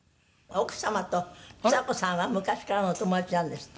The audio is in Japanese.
「奥様とちさ子さんは昔からのお友達なんですって？」